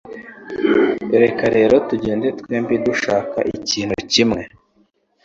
Reka rero tugende twembi dushaka ikintu kimwe